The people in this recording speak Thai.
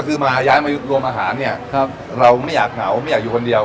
ซื้อมาย้ายมารวมอาหารเนี่ยครับเราไม่อยากเหงาไม่อยากอยู่คนเดียว